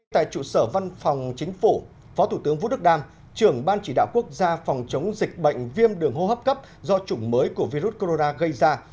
tại trụ sở văn phòng chính phủ phó thủ tướng vũ đức đam trưởng ban chỉ đạo quốc gia phòng chống dịch bệnh viêm đường hô hấp cấp do chủng mới của virus corona gây ra